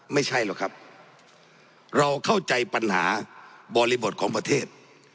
ไม่ใช่หรอกครับเราเข้าใจปัญหาบริบทของประเทศ